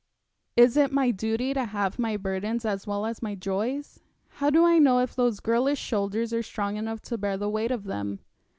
'Is it my duty to halve my burdens as well as my joys? How do I know if those girlish shoulders are strong enough to bear the weight of them?'